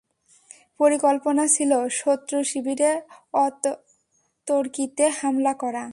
পরিকল্পনা ছিল, শত্রু শিবিরে অতর্কিতে হামলা করা।